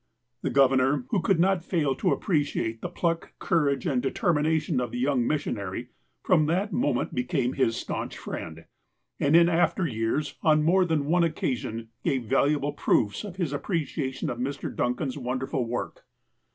" The governor, who could not fail to appreciate the pluck, courage, and determination of the young mission ary, from that moment became his staunch friend, and in after years, on more tlian one occasion, gave valuable proofs of his appreciation of Mr. Duncan's wonderful work.